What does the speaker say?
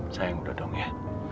sayang udah dong ya